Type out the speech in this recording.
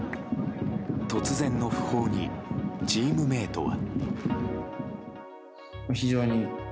突然の訃報にチームメートは。